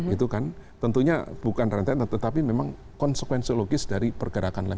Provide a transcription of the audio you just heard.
itu kan tentunya bukan rentetan tetapi memang konsekuensiologis dari pergerakan lem